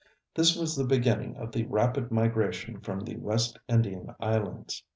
This was the beginning of the rapid migration from the West Indian islands.